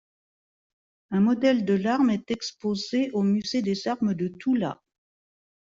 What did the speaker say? Un modèle de l'arme est exposé au Musée des armes de Toula.